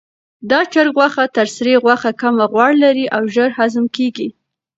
دا د چرګ غوښه تر سرې غوښې کمه غوړ لري او ژر هضم کیږي.